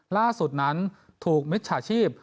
ร่าสุดนั้นถูกมิตรศาจีบ